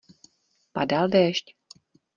Padal déšť.